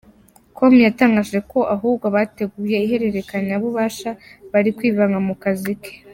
com yatangaje ko ahubwo abateguye ihererekanyabubasha bari kwivanga mu kazi ke.